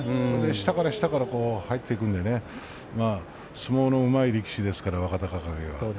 下から下から入ってきますので相撲のうまい力士ですから若隆景は。